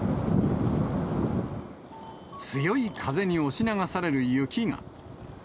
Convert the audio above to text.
強い風に押し流される雪が。